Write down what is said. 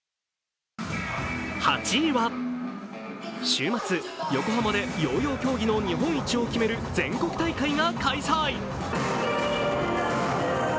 週末、横浜でヨーヨー競技の日本一を決める全国大会が開催。